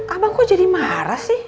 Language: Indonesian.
abang kok jadi marah sih